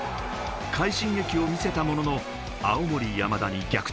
快進撃を見せたものの、青森山田に逆転